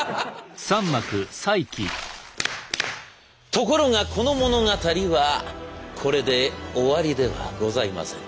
ところがこの物語はこれで終わりではございません。